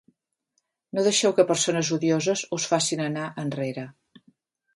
No deixeu que persones odioses us facin anar enrere.